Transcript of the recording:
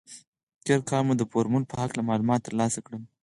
تېر کال مو د فورمول په هکله معلومات تر لاسه کړل.